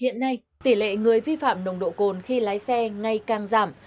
hiện nay tỷ lệ người vi phạm nồng độ cồn khi lái xe ngày càng giảm